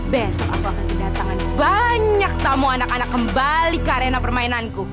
besok aku akan kedatangan banyak tamu anak anak kembali ke arena permainanku